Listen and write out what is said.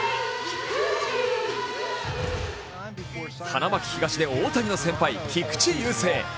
花巻東で大谷の先輩菊池雄星。